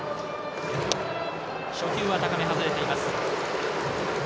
初球は高め、外れています。